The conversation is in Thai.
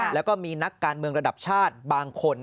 แล้วก็มีนักการเมืองระดับชาติบางคน